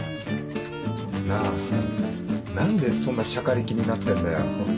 なぁ何でそんなシャカリキになってんだよ？